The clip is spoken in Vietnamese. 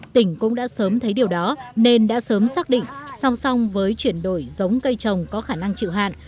tỉnh cũng đã sớm thấy điều đó nên đã sớm xác định song song với chuyển đổi giống cây trồng có khả năng chịu hạn